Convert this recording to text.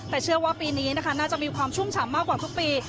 แต่เชื่อว่าปีนี้นะคะน่าจะมีความชุ่มฉ่ำมากกว่าทุกปี